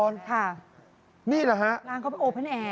ร้างเขาเป็นโอปน์แอร์